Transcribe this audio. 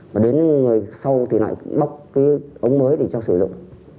và đến người sau thì lại móc cái ống mới để cho sử dụng